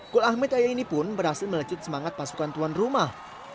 kul ahmed ayah ini pun berhasil melecut semangat pasukan tuan rumah